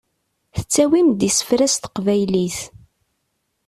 Tettawim-d isefra s teqbaylit.